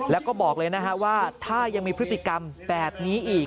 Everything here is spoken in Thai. แล้วก็บอกเลยนะฮะว่าถ้ายังมีพฤติกรรมแบบนี้อีก